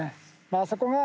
あそこが。